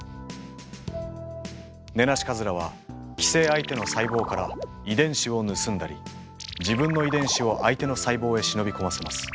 ネナシカズラは寄生相手の細胞から遺伝子を盗んだり自分の遺伝子を相手の細胞へ忍び込ませます。